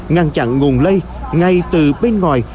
ngăn chặn nguồn lây ngay từ bên ngoài